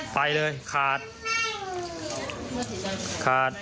ไปเลยขาด